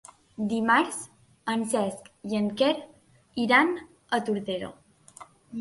Dimarts en Cesc i en Quer iran a Tordera.